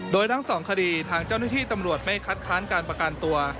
โดยทั้งสองคดีทางเจ้าหน้าที่ตำรวจไม่คัดค้านการประกันตัว